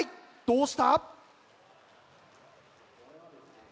どうした？